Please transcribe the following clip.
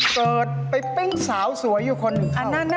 เปิดไปปิ้งสาวสวยอยู่คนหนึ่ง